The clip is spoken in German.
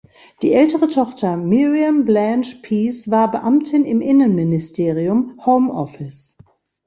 Die ältere Tochter Miriam Blanche Pease war Beamtin im Innenministerium "(Home Office)".